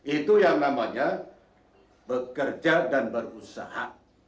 itu yang namanya bekerja dan berusaha